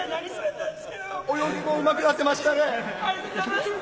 泳ぎもうまくなっていましたね。